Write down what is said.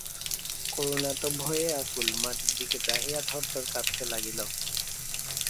করুণা তো ভয়ে আকুল, মাটির দিকে চাহিয়া থরথর কাঁপিতে লাগিল।